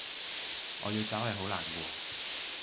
我要走係好難過